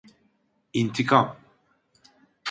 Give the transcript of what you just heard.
İntikam…